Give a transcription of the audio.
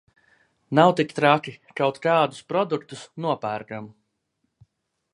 Nav tik traki, kaut kādus produktus nopērkam...